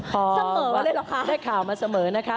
ก็ได้ข่าวมาเสมอนะคะ